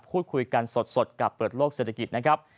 พูดคุยกันสดกับเปิดโลกเศรษฐกิจนะครับ